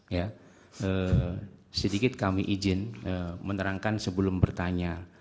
ya sedikit kami izin menerangkan sebelum bertanya